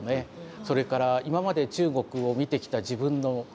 それから今まで中国を見てきた自分の甘さっていうか。